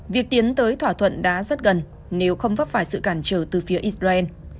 việc tiến tới thỏa thuận đã rất gần nếu không vấp phải sự cản trở từ phía israel